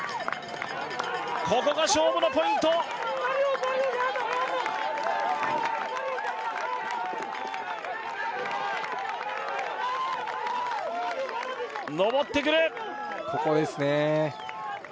ここが勝負のポイント上ってくるここですね